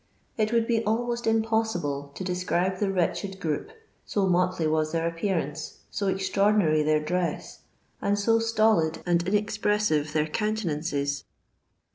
It would be almoit impoeiible to describe the wretched gronp, lo motley waa their appear ance, so extnu>rdinary their dreti, and lo atolid and inezpreanTe their conntenancei.